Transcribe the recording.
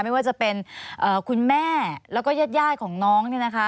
ไม่ว่าจะเป็นคุณแม่แล้วก็ญาติของน้องเนี่ยนะคะ